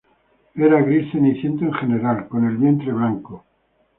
Era gris ceniciento en general, con el vientre blanco.